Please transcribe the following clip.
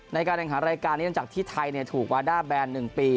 ในการห้ี้ยงหารายการนั้นจากที่ไทยถูกวัด่าแบรนด์นัง๑ปี